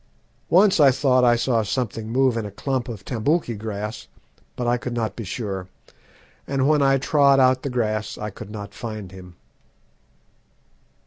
Once I thought I saw something move in a clump of tambouki grass, but I could not be sure, and when I trod out the grass I could not find him.